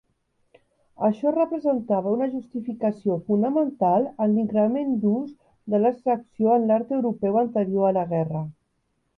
Això representava una justificació fonamental en l'increment d'ús de l'abstracció en l'art europeu anterior a la guerra.